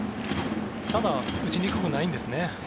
ただ、打ちにくくないんですね。